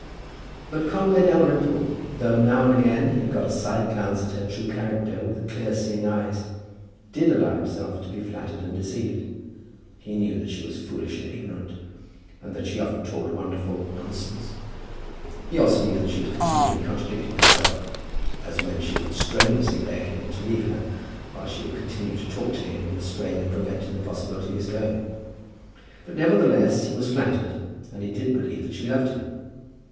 But Conway Dalrymple, though now and again he had got a side glance at her true character with clear seeing eyes, did allow himself to be flattered and deceived. He knew that she was foolish and ignorant, and that she often talked wonderful nonsense. He knew also that she was continually contradicting herself, as when she would strenuously beg him to leave her, while she would continue to talk to him in a strain that prevented the possibility of his going. But, nevertheless, he was flattered, and he did believe that she loved him.